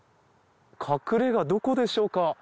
隠れ家どこでしょうか？